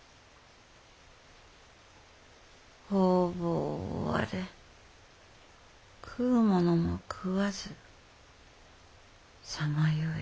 方々を追われ食うものも食わずさまよい。